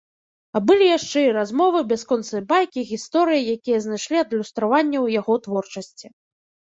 А былі яшчэ і размовы, бясконцыя байкі, гісторыі, якія знайшлі адлюстраванне ў яго творчасці.